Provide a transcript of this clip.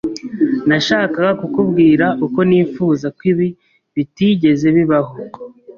Nashakaga kukubwira uko nifuza ko ibi bitigeze bibaho.